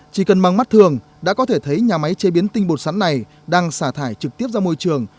chỉ cần bằng mắt thường đã có thể thấy nhà máy chế biến tinh bột sắn này đang xả thải trực tiếp ra môi trường